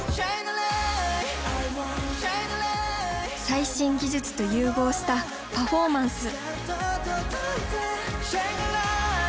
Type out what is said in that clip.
最新技術と融合したパフォーマンス！